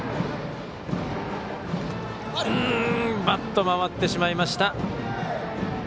バット回ってしまいました。